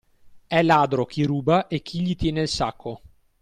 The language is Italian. E' ladro chi ruba e chi gli tiene il sacco.